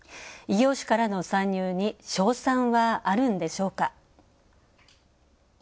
異業種から参入に勝算はあるんでしょうか。